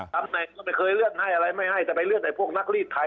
ทำไหนเขาไปเคยเลื่อนให้อะไรไม่ให้แต่ไปเลื่อนให้พวกนักรีดไถ